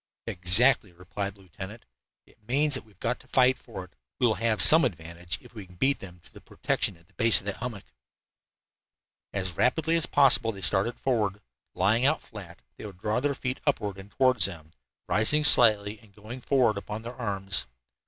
"Exactly," replied the lieutenant. "It means that we have got to fight for it. We will have some advantage if we can beat them to the protection of the base of that hummock." As rapidly as possible they started forward. Lying out flat, they would draw their feet upward and toward them, rising slightly and going forward upon their arms.